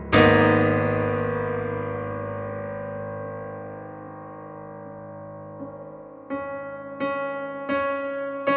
mungkin dia juga like